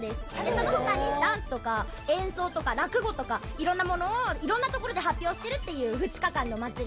その他にダンスとか演奏とか落語とか色んなものを色んな所で発表してるっていう２日間の祭りでございます。